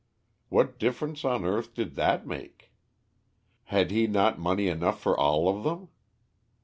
What difference on earth did that make? Had he not money enough for all of them?